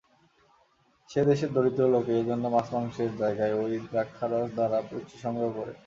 সে দেশের দরিদ্র লোকে এজন্য মাছ-মাংসের জায়গায় ঐ দ্রাক্ষারস দ্বারা পুষ্টি সংগ্রহ করে।